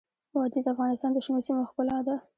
وادي د افغانستان د شنو سیمو ښکلا ده.